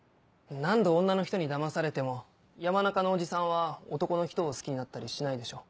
何度女の人にだまされても山中のおじさんは男の人を好きになったりしないでしょ。